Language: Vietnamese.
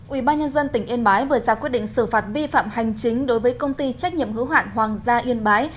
ubnd tỉnh yên bái vừa ra quyết định xử phạt vi phạm hành chính đối với công ty trách nhiệm hữu hoạn hoàng gia yên bái